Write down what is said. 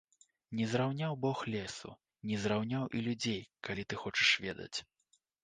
Не зраўняў бог лесу, не зраўняў і людзей, калі ты хочаш ведаць.